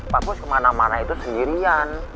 pak bos kemana mana itu sendirian